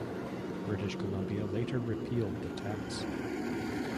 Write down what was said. British Columbia later repealed the tax.